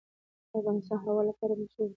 افغانستان د هوا لپاره مشهور دی.